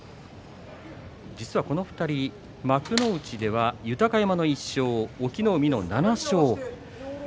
実はこの２人幕内では豊山は１勝、隠岐の海の７勝です。